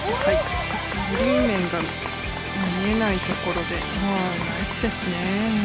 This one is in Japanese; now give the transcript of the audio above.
グリーン面が見えないところでナイスですね。